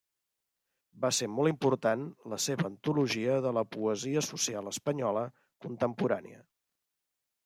Va ser molt important la seva antologia de la poesia social espanyola contemporània.